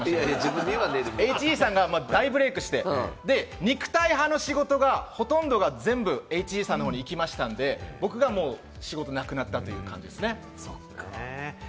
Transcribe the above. ＨＧさんが大ブレークして、肉体派の仕事がほとんどが全部ＨＧさんのほうに行きましたんで、僕が仕事がなくなったという感じですね。